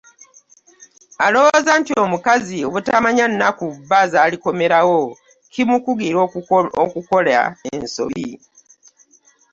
Alowooza nti omukazi obutamanya nnaku bba zalikomerawo kimukugira okukola ensobi .